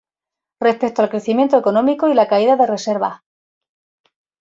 Respecto al crecimiento económico y la caída de reservas.